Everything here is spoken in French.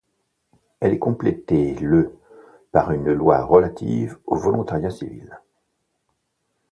Elle est complétée le par une loi relative aux volontariats civils.